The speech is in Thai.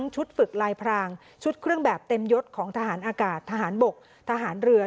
ชุดฝึกลายพรางชุดเครื่องแบบเต็มยศของทหารอากาศทหารบกทหารเรือ